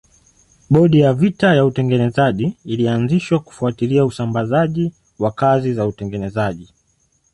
Bodi ya vita ya utengenezaji ilianzishwa kufuatilia usambazaji wa kazi na utengenezaji.